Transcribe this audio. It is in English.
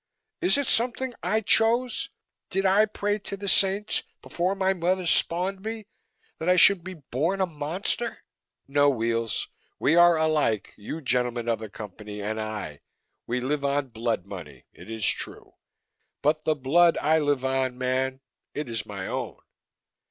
Is it something I chose, did I pray to the saints, before my mother spawned me, that I should be born a monster? No, Weels! We are alike, you gentlemen of the Company and I we live on blood money, it is true. But the blood I live on, man it is my own!"